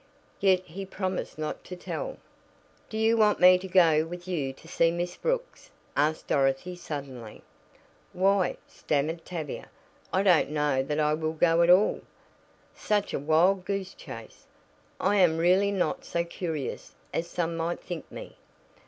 Yet he promised not to tell. "Do you want me to go with you to see Miss Brooks?" asked Dorothy suddenly. "Why," stammered Tavia, "I don't know that I will go at all. Such a wild goose chase! I am really not so curious as some might think me.